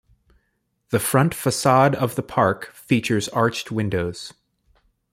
The front facade of the park features arched windows.